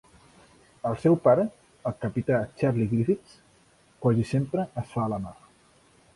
El seu pare, el capità Charlie Griffiths, quasi sempre es fa a la mar.